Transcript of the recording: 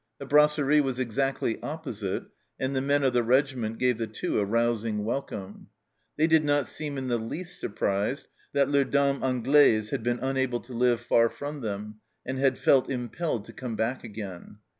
The brasserie was exactly opposite, arid the men of the regiment gave the Two a rousing welcome ; they did not seem in the least surprised that Les Dames Anglaises had been unable to live far from them, and had felt impelled to come back again.